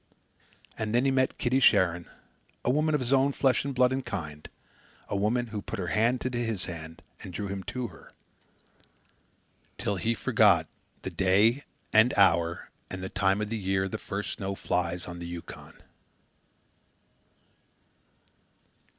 And then he met Kitty Sharon a woman of his own flesh and blood and kind; a woman who put her hand into his hand and drew him to her, till he forgot the day and hour and the time of the year the first snow flies on the Yukon.